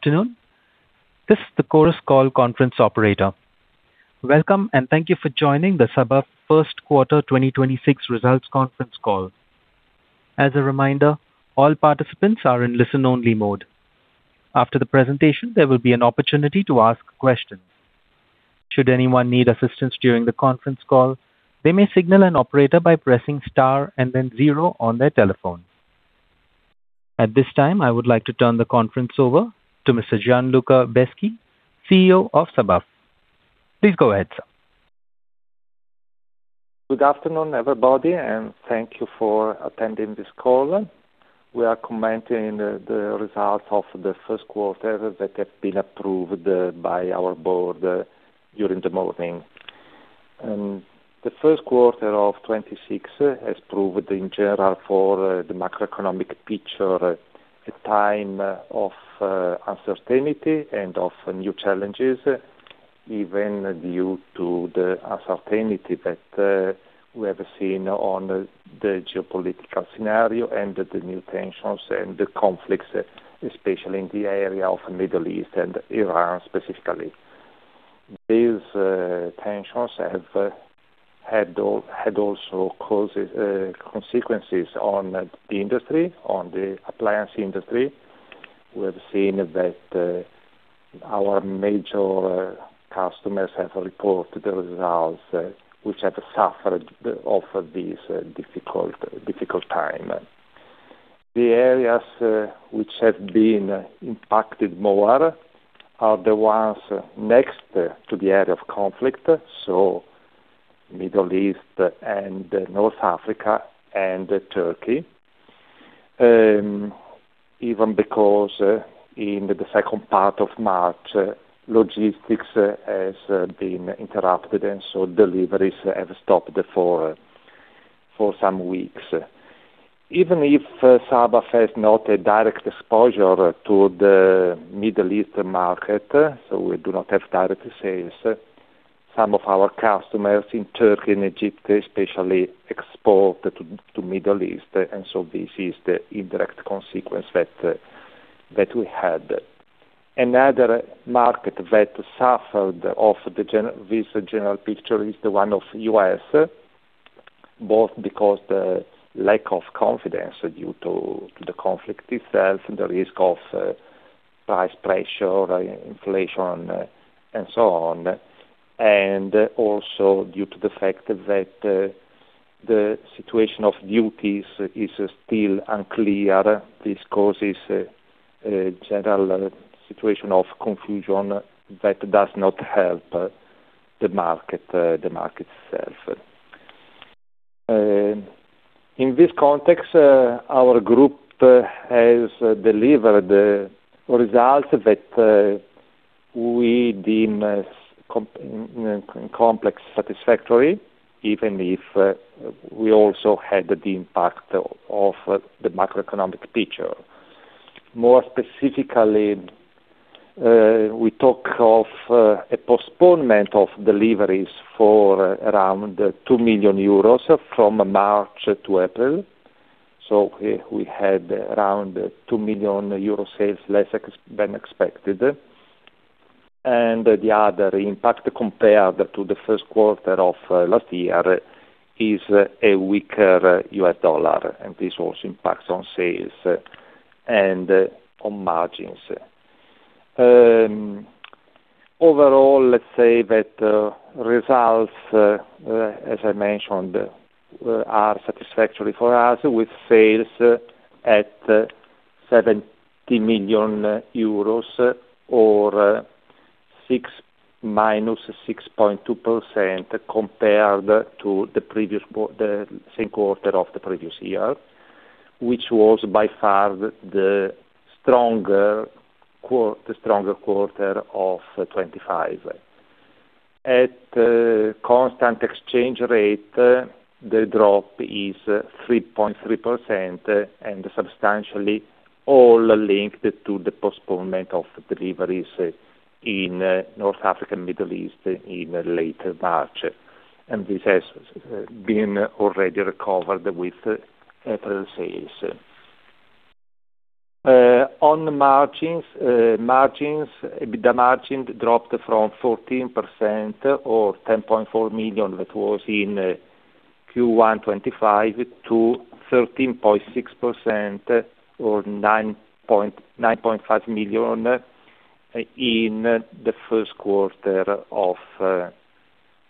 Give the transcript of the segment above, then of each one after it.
Good afternoon. This is the Chorus Call conference operator. Welcome, and thank you for joining the Sabaf first quarter 2026 results conference call. As a reminder, all participants are in listen-only mode. After the presentation, there will be an opportunity to ask questions. Should anyone need assistance during the conference call, they may signal an operator by pressing star and then zero on their telephone. At this time, I would like to turn the conference over to Mr. Gianluca Beschi, CEO of Sabaf. Please go ahead, sir. Good afternoon, everybody, and thank you for attending this call. We are commenting the results of the first quarter that have been approved by our board during the morning. The first quarter of 2026 has proved in general for the macroeconomic picture, a time of uncertainty and of new challenges, even due to the uncertainty that we have seen on the geopolitical scenario and the new tensions and the conflicts, especially in the area of Middle East and Iran specifically. These tensions have had also causes consequences on the industry, on the appliance industry. We have seen that our major customers have reported the results which have suffered of this difficult time. The areas which have been impacted more are the ones next to the area of conflict, so Middle East and North Africa and Turkey. Even because, in the second part of March, logistics has been interrupted, deliveries have stopped for some weeks. Even if Sabaf has not a direct exposure to the Middle East market, we do not have direct sales. Some of our customers in Turkey and Egypt, especially export to Middle East, this is the indirect consequence that we had. Another market that suffered of this general picture is the one of U.S., both because the lack of confidence due to the conflict itself, the risk of price pressure, inflation, and so on, due to the fact that the situation of duties is still unclear. This causes a general situation of confusion that does not help the market itself. In this context, our group has delivered results that we deem as satisfactory, even if we also had the impact of the macroeconomic picture. More specifically, we talk of a postponement of deliveries for around 2 million euros from March to April. We had around 2 million euro sales less than expected. The other impact compared to the first quarter of last year is a weaker US dollar, and this also impacts on sales and on margins. Overall, let's say that results, as I mentioned, are satisfactory for us with sales at 70 million euros or -6.2% compared to the same quarter of the previous year, which was by far the stronger quarter of 2025. At constant exchange rate, the drop is 3.3% substantially all linked to the postponement of deliveries in North Africa and Middle East in late March. This has been already recovered with April sales. On margins. The margin dropped from 14% or 10.4 million that was in Q1 2025 to 13.6% or 9.5 million in the first quarter of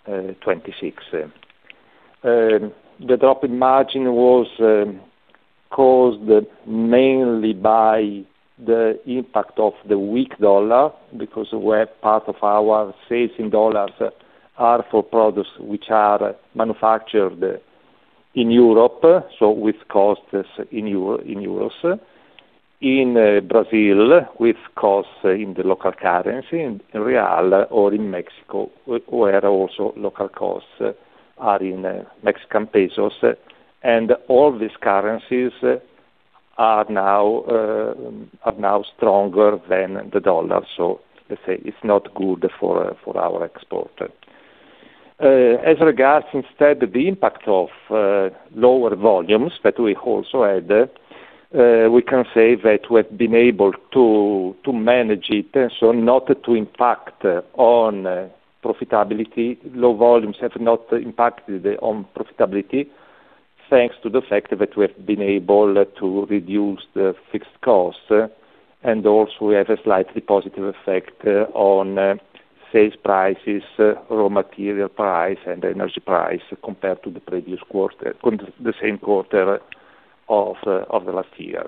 2026. The drop in margin was caused mainly by the impact of the weak US dollar, because part of our sales in US dollars are for products which are manufactured in Europe, so with costs in euros. In Brazil, with costs in the local currency, in Brazilian reals or in Mexico, where also local costs are in Mexican pesos. All these currencies are now stronger than the US dollar. It's not good for our export. As regards instead the impact of lower volumes that we also had, we have been able to manage it so not to impact on profitability. Low volumes have not impacted on profitability, thanks to the fact that we have been able to reduce the fixed costs, and also we have a slightly positive effect on sales prices, raw material price, and energy price on the same quarter of last year.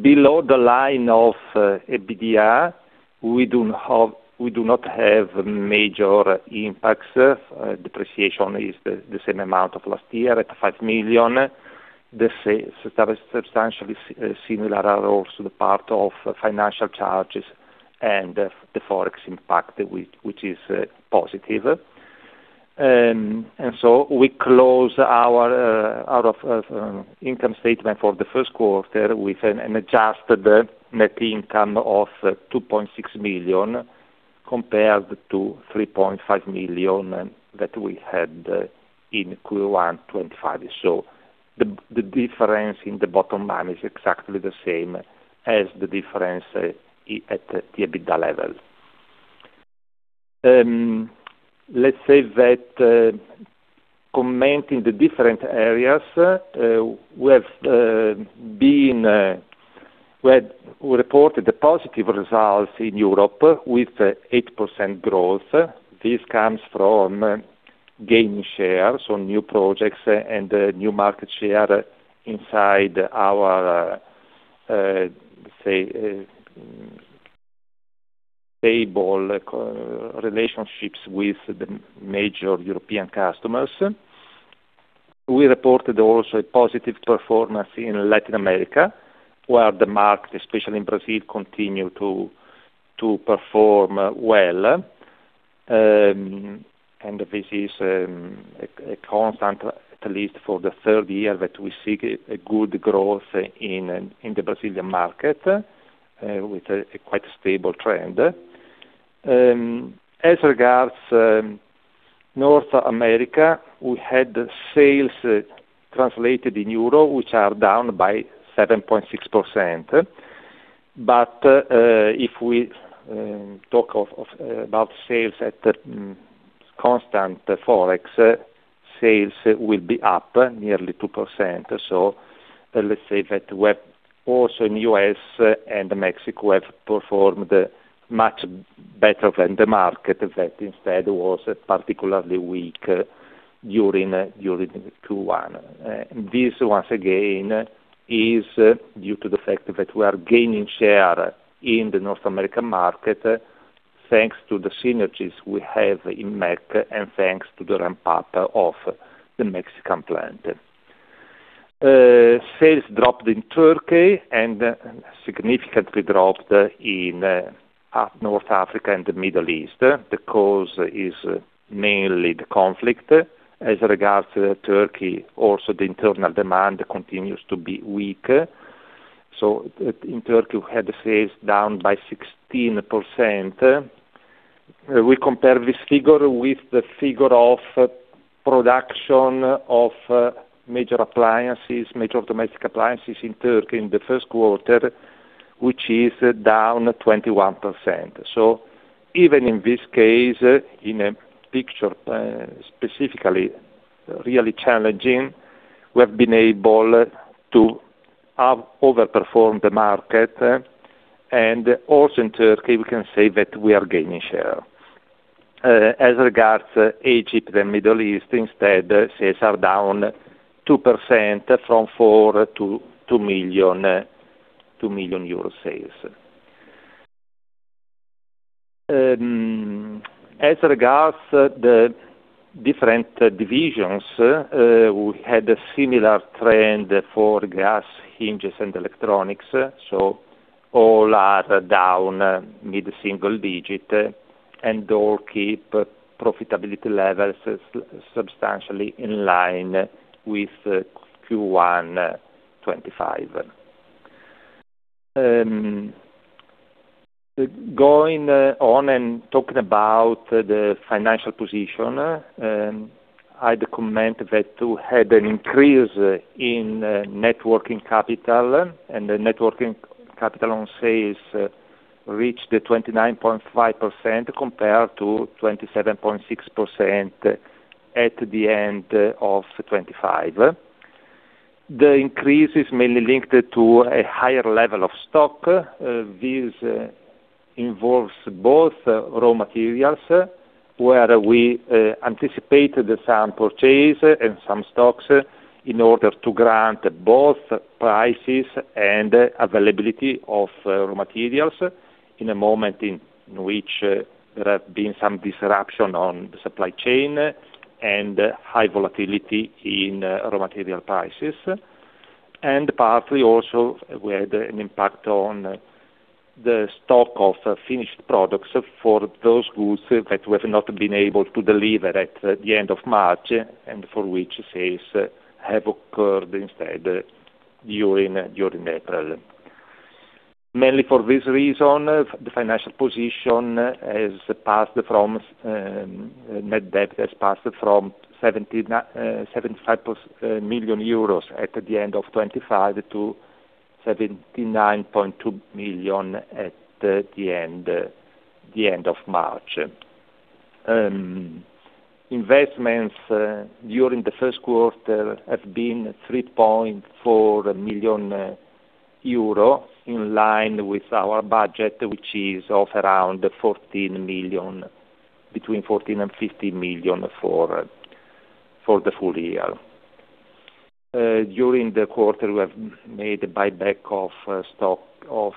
Below the line of EBITDA, we do not have major impacts. Depreciation is the same amount of last year at 5 million. The substantially similar are also the part of financial charges and the forex impact which is positive. We close our income statement for the first quarter with an adjusted net income of 2.6 million compared to 3.5 million that we had in Q1 2025. The difference in the bottom line is exactly the same as the difference at the EBITDA level. Let's say that commenting the different areas, we reported positive results in Europe with 8% growth. This comes from gaining shares on new projects and new market share inside our stable relationships with the major European customers. We reported also a positive performance in Latin America, where the market, especially in Brazil, continue to perform well. This is a constant, at least for the third year, that we see a good growth in the Brazilian market, with a quite stable trend. As regards North America, we had sales translated in euro, which are down by 7.6%. If we talk about sales at constant forex, sales will be up nearly 2%. Let's say that we have also in U.S. and Mexico have performed much better than the market that instead was particularly weak during Q1. This once again is due to the fact that we are gaining share in the North American market, thanks to the synergies we have in MEC and thanks to the ramp-up of the Mexican plant. Sales dropped in Turkey and significantly dropped in North Africa and the Middle East. The cause is mainly the conflict. As regards Turkey, also the internal demand continues to be weak. In Turkey, we had sales down by 16%. We compare this figure with the figure of production of major appliances, major domestic appliances in Turkey in the first quarter, which is down 21%. Even in this case, in a picture specifically really challenging, we have been able to have overperformed the market. Also in Turkey, we can say that we are gaining share. As regards Egypt and Middle East instead, sales are down 2% from 4 million to 2 million euro sales. As regards the different divisions, we had a similar trend for gas, hinges, and electronics. All are down mid-single-digit, and all keep profitability levels substantially in line with Q1 2025. Going on and talking about the financial position, I'd comment that we had an increase in net working capital, and the net working capital on sales reached 29.5% compared to 27.6% at the end of 2025. The increase is mainly linked to a higher level of stock. This involves both raw materials, where we anticipated some purchase and some stocks in order to grant both prices and availability of raw materials in a moment in which there have been some disruption on the supply chain and high volatility in raw material prices. Partly also we had an impact on the stock of finished products for those goods that we have not been able to deliver at the end of March, and for which sales have occurred instead during April. Mainly for this reason, the financial position has passed from net debt has passed from 75+ million euros at the end of 2025 to EUR 79.2 million at the end of March. Investments during the first quarter have been 3.4 million euro, in line with our budget, which is of around 14 million, between 14 million and 15 million for the full year. During the quarter, we have made a buyback of stock of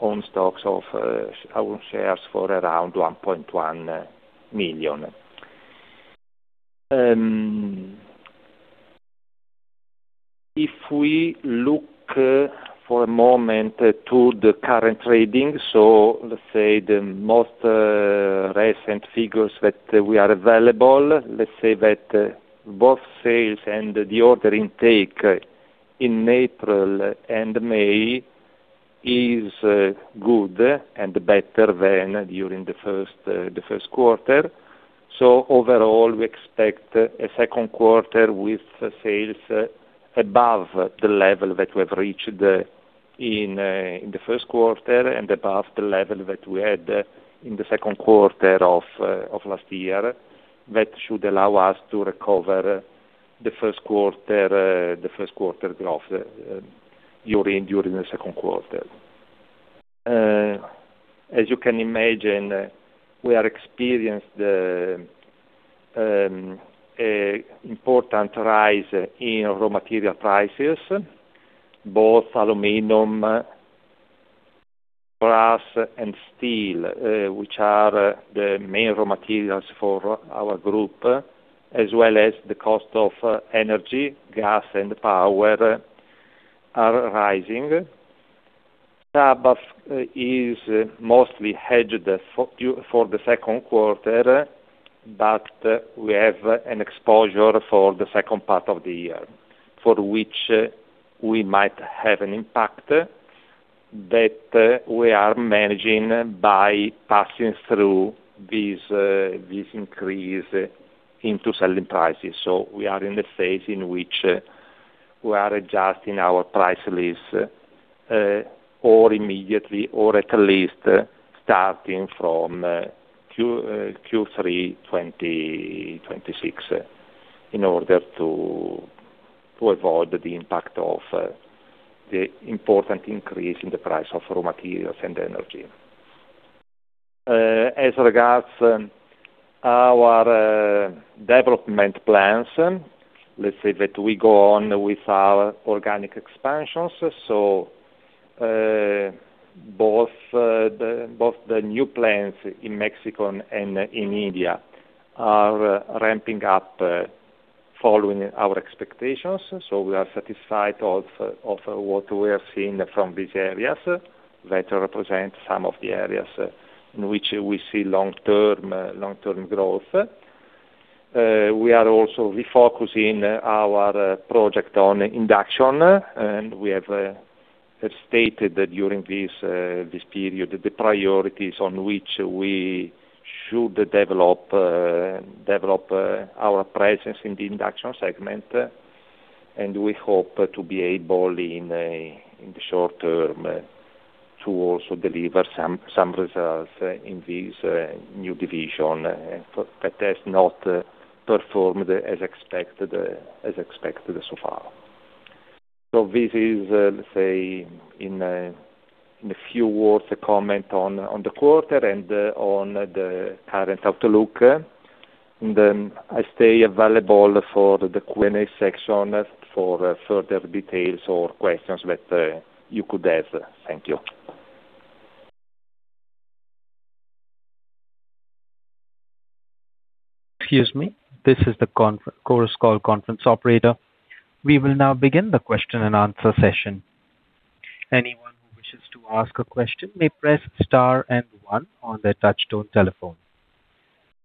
own stocks of our shares for around 1.1 million. If we look for a moment to the current trading, let's say the most recent figures that we are available, let's say that both sales and the order intake in April and May is good and better than during the first quarter. Overall, we expect a second quarter with sales above the level that we have reached in the first quarter and above the level that we had in the second quarter of last year. That should allow us to recover the first quarter, the first quarter growth, during the second quarter. As you can imagine, we are experienced important rise in raw material prices, both aluminum, brass, and steel, which are the main raw materials for our group, as well as the cost of energy, gas and power are rising. Is mostly hedged for the second quarter, but we have an exposure for the second part of the year, for which we might have an impact that we are managing by passing through this increase into selling prices. We are in a phase in which we are adjusting our price lists, or immediately or at least starting from Q3 2026 in order to avoid the impact of the important increase in the price of raw materials and energy. As regards our development plans, let's say that we go on with our organic expansions. Both the new plants in Mexico and in India are ramping up following our expectations. We are satisfied of what we are seeing from these areas that represent some of the areas in which we see long-term, long-term growth. We are also refocusing our project on induction, and we have stated that during this period, the priorities on which we should develop our presence in the induction segment, and we hope to be able in a, in the short-term to also deliver some results in this new division that has not performed as expected so far. This is, let's say in a, in a few words, a comment on the quarter and on the current outlook. Then I stay available for the Q&A section for further details or questions that you could have. Thank you. Excuse me. This is the Chorus Call conference operator. We will now begin the question and answer session. Anyone who wishes to ask a question may press star one on their touch-tone telephone.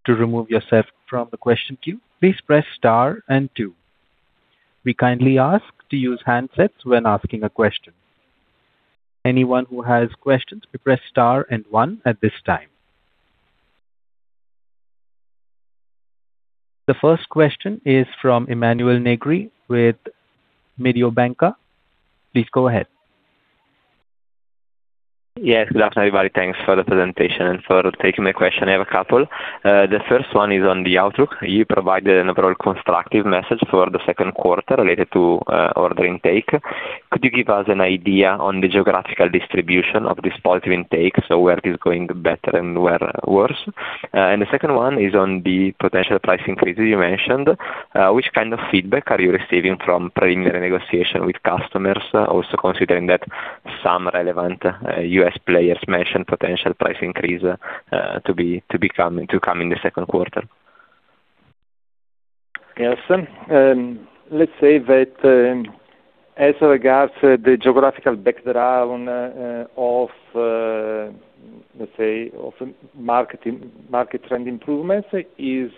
To remove yourself from the question queue, please press star two. We kindly ask to use handsets when asking a question. Anyone who has questions, press star one at this time. The first question is from Emanuele Negri with Mediobanca. Please go ahead. Yes. Good afternoon, everybody. Thanks for the presentation and for taking my question. I have a couple. The first one is on the outlook. You provided an overall constructive message for the second quarter related to order intake. Could you give us an idea on the geographical distribution of this positive intake, so where it is going better and where worse? The second one is on the potential price increases you mentioned. Which kind of feedback are you receiving from preliminary negotiation with customers, also considering that some relevant U.S. players mentioned potential price increase to come in the second quarter? Yes. Let's say that as regards the geographical background of market trend improvements is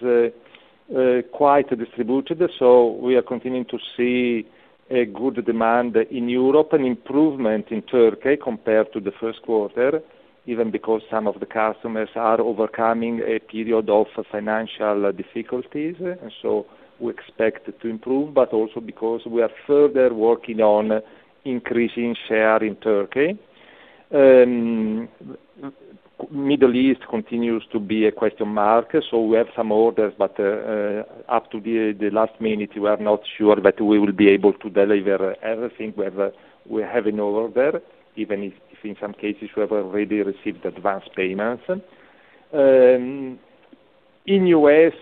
quite distributed. We are continuing to see a good demand in Europe, an improvement in Turkey compared to the first quarter, even because some of the customers are overcoming a period of financial difficulties. We expect to improve, but also because we are further working on increasing share in Turkey. Middle East continues to be a question mark. We have some orders, but up to the last minute, we are not sure that we will be able to deliver everything we have in order, even if in some cases, we have already received advanced payments. In U.S.,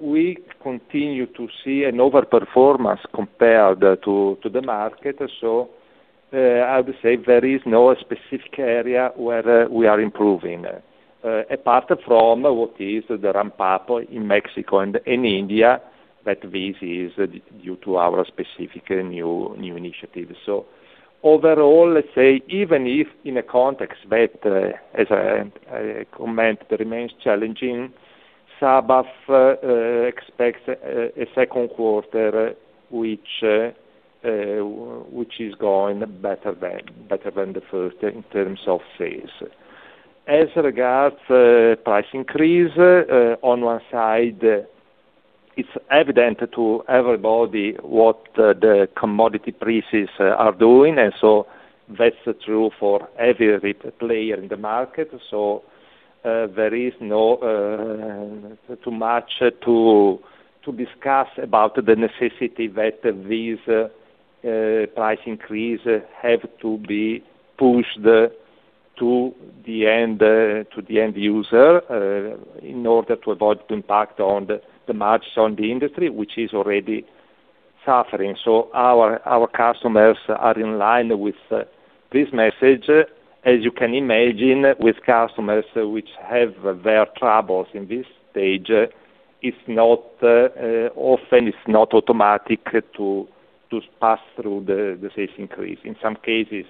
we continue to see an over-performance compared to the market. I would say there is no specific area where we are improving. Apart from what is the ramp-up in Mexico and in India, that this is due to our specific new initiative. Overall, let's say, even if in a context that, as I comment, remains challenging, Sabaf expects a second quarter which is going better than the first in terms of sales. As regards price increase, on one side, it's evident to everybody what the commodity prices are doing, that's true for every player in the market. There is no too much to discuss about the necessity that these price increases have to be pushed to the end, to the end user, in order to avoid the impact on the margins on the industry, which is already suffering. Our customers are in line with this message. As you can imagine, with customers which have their troubles in this stage, it's not often it's not automatic to pass through the sales increase. In some cases,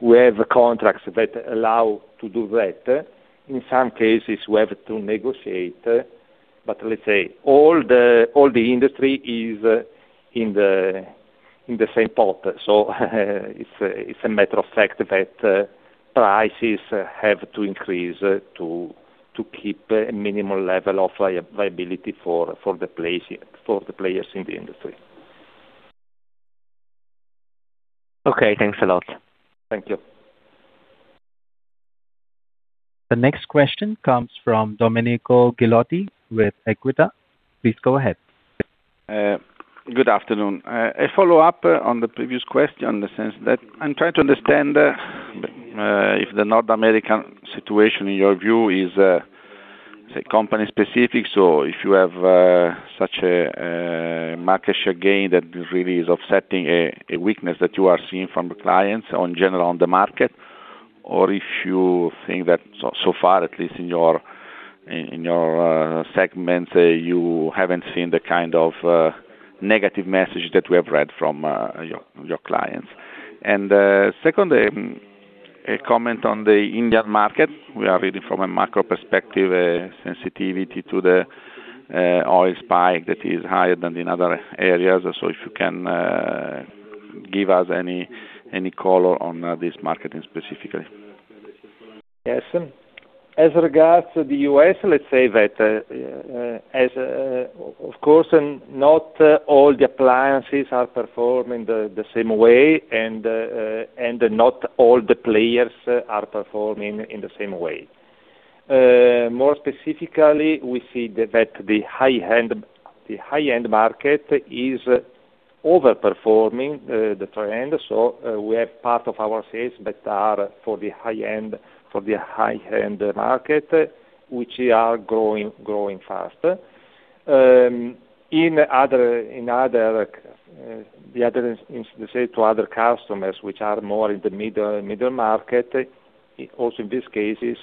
we have contracts that allow to do that. In some cases, we have to negotiate. Let's say, all the industry is in the same pot. It's a matter of fact that prices have to increase to keep a minimal level of viability for the players in the industry. Okay, thanks a lot. Thank you. The next question comes from Domenico Ghilotti with Equita. Please go ahead. Good afternoon. A follow-up on the previous question, in the sense that I'm trying to understand if the North American situation, in your view, is, say, company specific. If you have such a market share gain that really is offsetting a weakness that you are seeing from the clients or in general on the market, or if you think that so far, at least in your segment, you haven't seen the kind of negative message that we have read from your clients. Second, a comment on the Indian market. We are reading from a macro perspective, sensitivity to the oil spike that is higher than in other areas. If you can give us any color on this market specifically. Yes. As regards to the U.S., let's say that, as, of course, not all the appliances are performing the same way and not all the players are performing in the same way. More specifically, we see that the high-end market is over-performing the trend. We have part of our sales that are for the high-end market, which are growing fast. In other, to other customers which are more in the middle market, also in this case is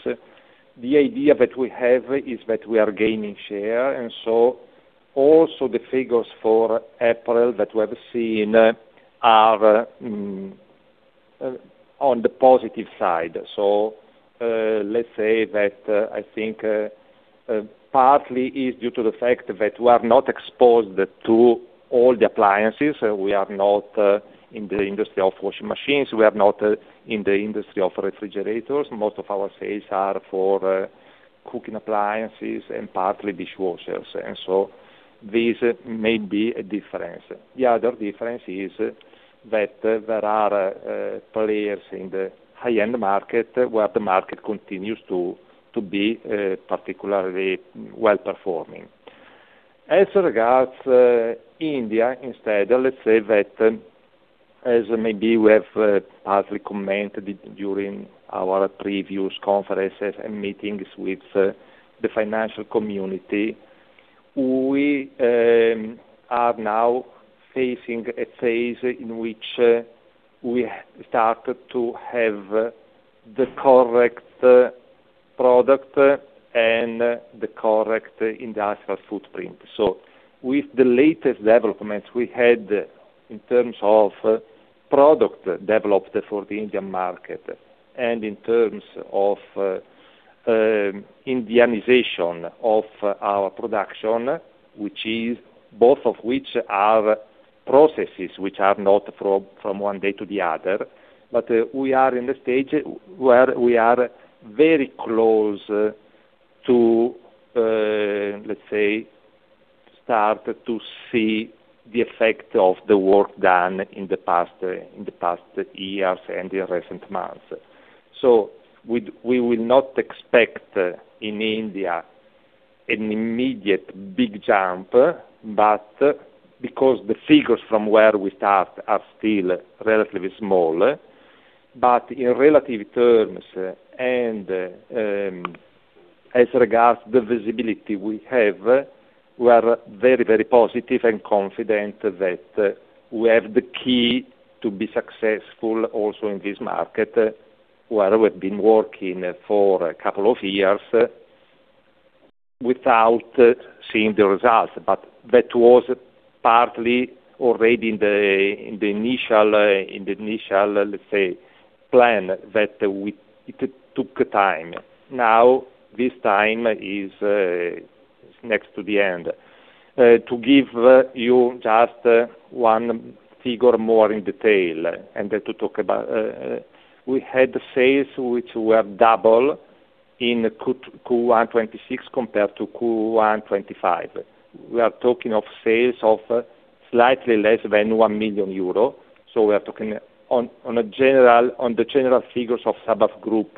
the idea that we have is that we are gaining share. Also the figures for April that we have seen are on the positive side. Let's say that I think partly is due to the fact that we are not exposed to all the appliances. We are not in the industry of washing machines. We are not in the industry of refrigerators. Most of our sales are for cooking appliances and partly dishwashers. This may be a difference. The other difference is that there are players in the high-end market, where the market continues to be particularly well-performing. As regards India, instead, let's say that, as maybe we have partly commented during our previous conferences and meetings with the financial community, we are now facing a phase in which we started to have the correct product and the correct industrial footprint. With the latest developments we had in terms of product developed for the Indian market, and in terms of Indianization of our production, both of which are processes which are not from one day to the other. We are in the stage where we are very close to, let's say, start to see the effect of the work done in the past years and in recent months. We will not expect in India an immediate big jump, but because the figures from where we start are still relatively small. In relative terms and, as regards the visibility we have, we are very, very positive and confident that we have the key to be successful also in this market, where we've been working for a couple of years without seeing the results. That was partly already in the initial, let's say, plan. It took time. Now, this time is next to the end. To give you just one figure more in detail and to talk about, we had sales which were double in Q1 2026 compared to Q1 2025. We are talking of sales of slightly less than 1 million euro. We are talking on the general figures of Sabaf group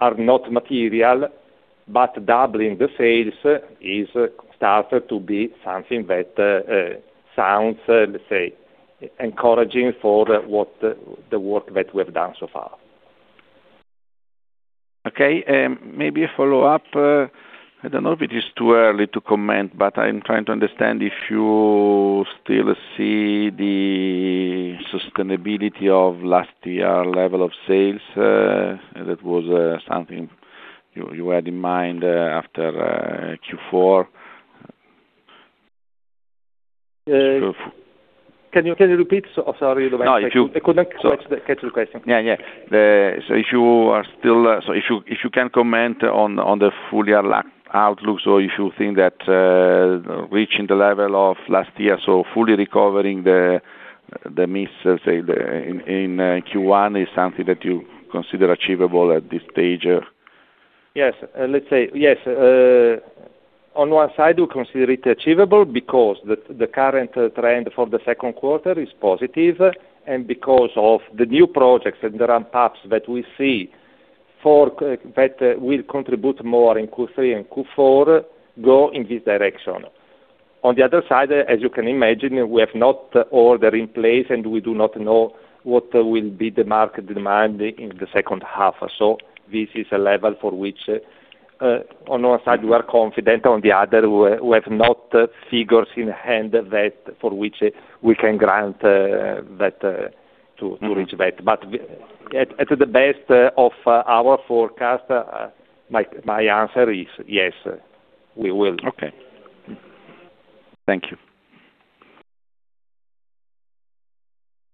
are not material, but doubling the sales is started to be something that sounds, let's say, encouraging for what the work that we have done so far. Maybe a follow-up. I don't know if it is too early to comment, but I'm trying to understand if you still see the sustainability of last year level of sales, that was something you had in mind after Q4. Can you repeat? So sorry, the last question. No. I couldn't quite catch the question. Yeah, yeah. If you are still, if you can comment on the full year outlook. If you think that reaching the level of last year, so fully recovering the miss, let's say, in Q1 is something that you consider achievable at this stage. Yes. Let's say yes. On one side, we consider it achievable because the current trend for the second quarter is positive, and because of the new projects and the ramp-ups that we see for that will contribute more in Q3 and Q4, go in this direction. On the other side, as you can imagine, we have not order in place, and we do not know what will be the market demand in the second half. This is a level for which, on one side, we are confident, on the other, we have not figures in hand that for which we can grant that to reach that. At the best of our forecast, my answer is yes, we will. Okay. Thank you.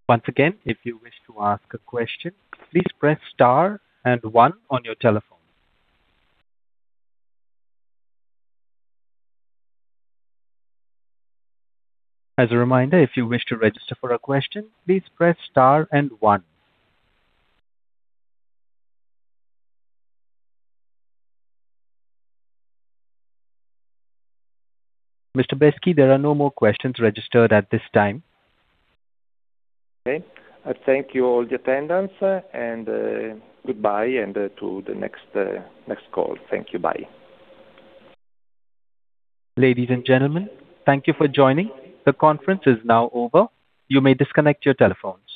Once again, if you wish to ask a question, please press star and one on your telephone. As a reminder, if you wish to register for a question, please press star and one. Mr. Beschi, there are no more questions registered at this time. Okay. I thank you all the attendants, and goodbye, and to the next next call. Thank you. Bye. Ladies and gentlemen, thank you for joining. The conference is now over. You may disconnect your telephone.